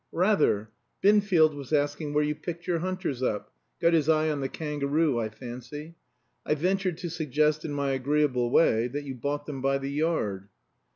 "Rather. Binfield was asking where you picked your hunters up got his eye on the kangaroo, I fancy. I ventured to suggest, in my agreeable way, that you bought them by the yard."